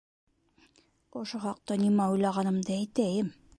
Ошо хаҡта нимә уйлағанымды әйтәйем.